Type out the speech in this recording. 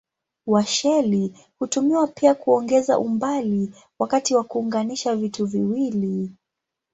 Washeli hutumiwa pia kuongeza umbali wakati wa kuunganisha vitu viwili.